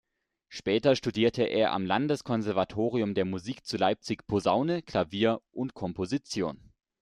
Später studierte er am Landeskonservatorium der Musik zu Leipzig Posaune, Klavier und Komposition.